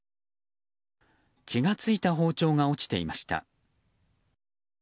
血が付いた包丁が落ちていました。